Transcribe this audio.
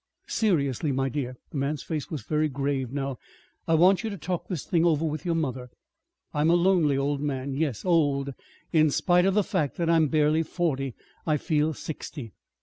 "Seriously, my dear," the man's face was very grave now, "I want you to talk this thing over with your mother. I am a lonely old man yes, old, in spite of the fact that I'm barely forty I feel sixty!